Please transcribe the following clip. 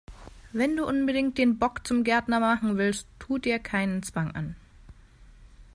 Wenn du unbedingt den Bock zum Gärtner machen willst, tu dir keinen Zwang an!